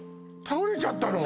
倒れちゃったの？